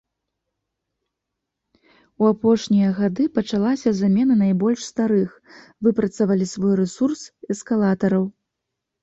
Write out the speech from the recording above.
У апошнія гады пачалася замена найбольш старых, выпрацавалі свой рэсурс, эскалатараў.